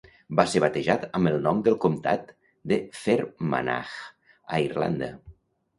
Va ser batejat amb el nom del comtat de Fermanagh a Irlanda.